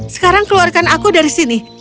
sekarang keluarkan aku dari sini